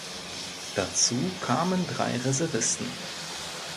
Dazu kamen drei Reservisten.